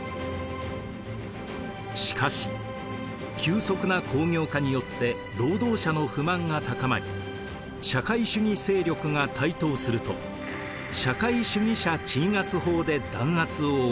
しかし急速な工業化によって労働者の不満が高まり社会主義勢力が台頭すると社会主義者鎮圧法で弾圧を行います。